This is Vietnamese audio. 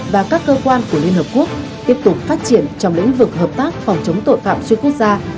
và các cơ quan của liên hợp quốc tiếp tục phát triển trong lĩnh vực hợp tác phòng chống tội phạm xuyên quốc gia